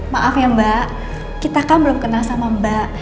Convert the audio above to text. maaf ya mbak kita kan belum kenal sama mbak